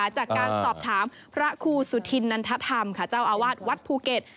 จากการสอบถามพระครูสุธินนันทธรรมค่ะเจ้าอาวาสวัดภูเก็ต